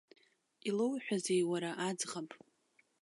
Илоуҳәазеи, уара, аӡӷаб?